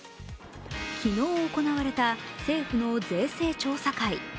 昨日行われた政府の税政調査会。